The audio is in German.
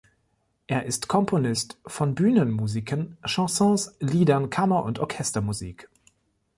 Er ist Komponist von Bühnenmusiken, Chansons, Liedern, Kammer- und Orchestermusik.